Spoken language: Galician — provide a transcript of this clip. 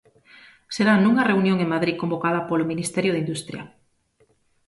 Será nunha reunión en Madrid convocada polo Ministerio de Industria.